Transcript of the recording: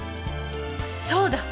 そうだ。